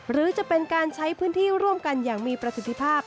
หรือจะเป็นการใช้พื้นที่ร่วมกันอย่างมีประสิทธิภาพ